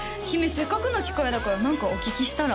せっかくの機会だから何かお聞きしたら？